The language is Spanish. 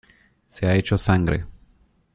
se ha hecho sangre.